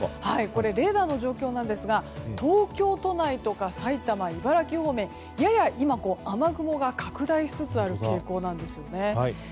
これレーダーの状況ですが東京都内とか埼玉、茨城方面やや今、雨雲が拡大しつつある傾向なんですよね。